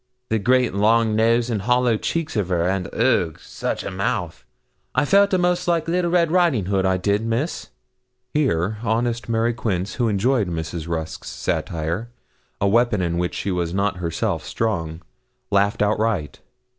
The great long nose and hollow cheeks of her, and oogh! such a mouth! I felt a'most like little Red Riding Hood I did, Miss.' Here honest Mary Quince, who enjoyed Mrs. Rusk's satire, a weapon in which she was not herself strong, laughed outright.